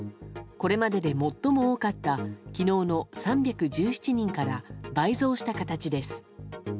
これまでで最も多かった昨日の３１７人から倍増した形です。